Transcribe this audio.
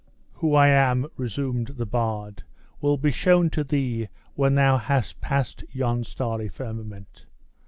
"Who I am," resumed the bard, "will be sthown to thee when thou hast passed yon starry firmament.